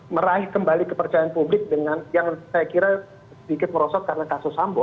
meraih kembali kepercayaan publik dengan yang saya kira sedikit merosot karena kasus sambo